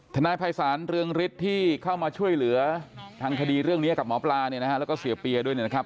นายภัยศาลเรืองฤทธิ์ที่เข้ามาช่วยเหลือทางคดีเรื่องนี้กับหมอปลาเนี่ยนะฮะแล้วก็เสียเปียด้วยนะครับ